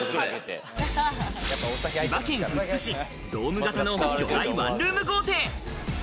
千葉県富津市、ドーム型の巨大ワンルーム豪邸。